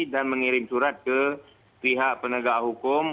dan mengirim surat ke pihak penegak hukum